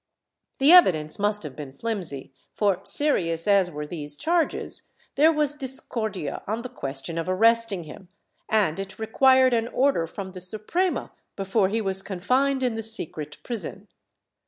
The evidence must have been flimsy for, serious as were these charges, there was discordia on the question of arresting him, and it required an order from the Suprema before he was confined in the secret prison.